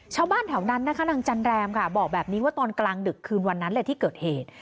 ชาวบ้านแถวนั้นนะคะนางจันแรมค่ะบอกแบบนี้ว่าตอนกลางดึกคืนวันนั้นเลยที่เกิดเหตุ